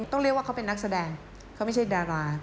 ต้องเรียกว่าเขาเป็นนักแสดงเขาไม่ใช่ดารา